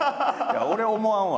俺は思わんわ。